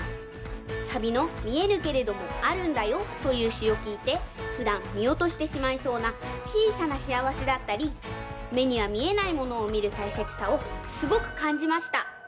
サビの「見えぬけれどもあるんだよ」というしをきいてふだんみおとしてしまいそうなちいさなしあわせだったりめにはみえないものをみるたいせつさをすごくかんじました。